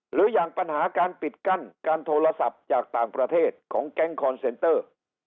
หรืออย่างปัญหาการปิดกั้นการโทรศัพท์จากต่างประเทศของแก๊งคอนเซนเตอร์